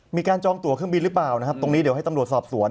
จองตัวเครื่องบินหรือเปล่านะครับตรงนี้เดี๋ยวให้ตำรวจสอบสวน